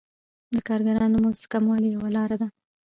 د کارګرانو د مزد کموالی یوه لاره ده